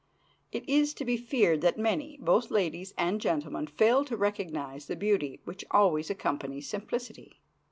It is to be feared that many, both ladies and gentlemen, fail to recognize the beauty which always accompanies simplicity.